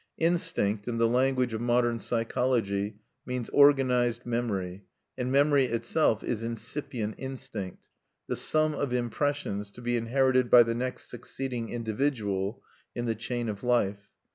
Instinct, in the language of modern psychology, means "organized memory," and memory itself is "incipient instinct," the sum of impressions to be inherited by the next succeeding individual in the chain of life.